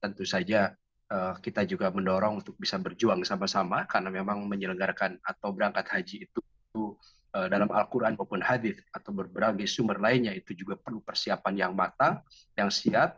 tentu saja kita juga mendorong untuk bisa berjuang sama sama karena memang menyelenggarkan atau berangkat haji itu dalam al quran maupun hadith atau berbagai sumber lainnya itu juga perlu persiapan yang matang yang siap